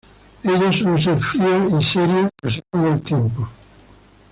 Ella suele ser fría y seria casi todo el tiempo.